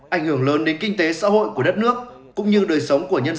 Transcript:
ảnh hưởng lớn đến kinh tế xã hội của đất nước cũng như đời sống của nhân dân